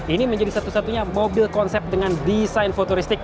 ini menjadi satu satunya mobil konsep dengan desain futuristik